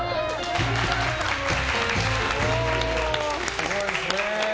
すごいですね。